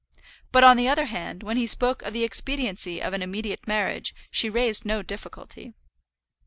But, on the other hand, when he spoke of the expediency of an immediate marriage, she raised no difficulty.